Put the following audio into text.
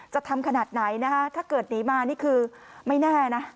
จะทำขนาดไหนนะคะถ้าเกิดหนีมานี่คือไม่แน่นะ